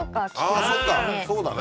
そうだね。